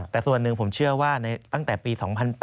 แต่ส่วนหนึ่งผมเชื่อว่าในตั้งแต่ปี๒๐๐๘